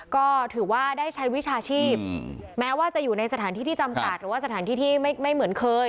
ก็ถือว่าได้ใช้วิชาชีพแม้ว่าจะอยู่ในสถานที่ที่จำกัดหรือว่าสถานที่ที่ไม่เหมือนเคย